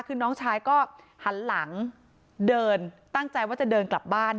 คือน้องชายก็หันหลังเดินตั้งใจว่าจะเดินกลับบ้าน